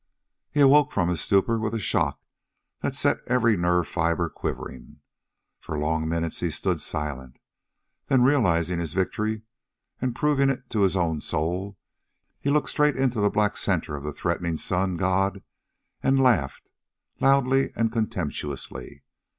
He awoke from his stupor with a shock that set every nerve fiber quivering. For long minutes he stood silent. Then, realizing his victory and proving it to his own soul, he looked straight into the black center of the threatening sun god, and he laughed, loudly and contemptuously.